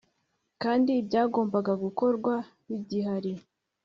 kandi ibyagombaga gukorwa bigihari